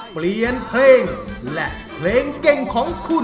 เปลี่ยนเพลงและเพลงเก่งของคุณ